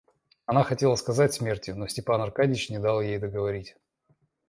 Она хотела сказать смерти, но Степан Аркадьич не дал ей договорить.